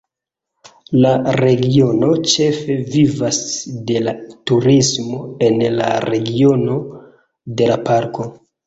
La regiono ĉefe vivas de la turismo en la regiono de la parko.